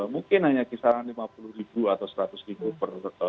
mungkin hanya kisaran rp lima puluh atau rp seratus